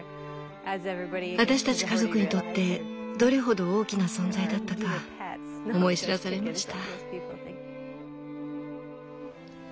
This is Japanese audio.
私たち家族にとってどれほど大きな存在だったか思い知らされました。